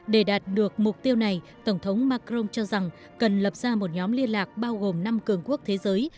để đạt được mục tiêu này tổng thống macron cho rằng cần lập ra một nhóm liên lạc bao gồm năm cường quốc thế giới